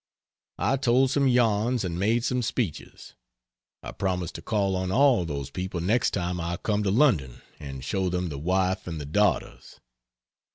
I told some yarns and made some speeches. I promised to call on all those people next time I come to London, and show them the wife and the daughters.